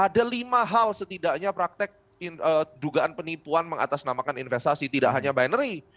ada lima hal setidaknya praktek dugaan penipuan mengatasnamakan investasi tidak hanya binary